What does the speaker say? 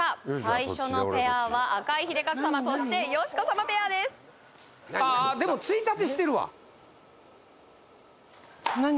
最初のペアは赤井英和様そして佳子様ペアですああーでもついたてしてるわ何？